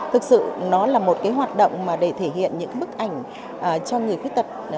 thực sự nó là một cái hoạt động để thể hiện những bức ảnh cho người khuyết tật